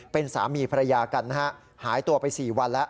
เป็นสามีภรรยากันนะฮะหายตัวไป๔วันแล้ว